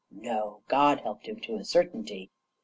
No; God helped him, to a certainty!